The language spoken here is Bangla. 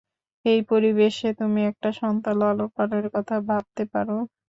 এই পরিবেশে তুমি একটা সন্তান লালন পালনের কথা ভাবতে পার?